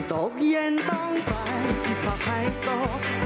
ตกเย็นต้องไปที่ฝากให้ส่ง